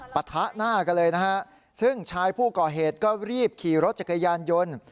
ปะทะหน้ากันเลยนะฮะซึ่งชายผู้ก่อเหตุก็รีบขี่รถจักรยานยนต์